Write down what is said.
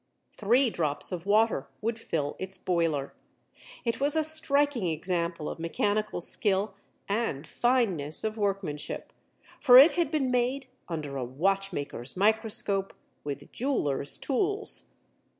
Three drops of water would fill its boiler. It was a striking example of mechanical skill and fineness of workmanship, for it had been made under a watchmaker's microscope with jeweler's tools.